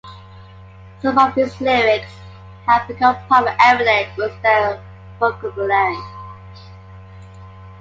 Some of his lyrics have become part of everyday Uzbek vocabulary.